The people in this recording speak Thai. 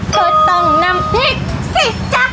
ก๋มานำพริกสิจ๊ะ